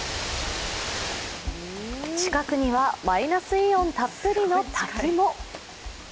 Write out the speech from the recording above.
近くにはマイナスイオンたっぷりの滝も。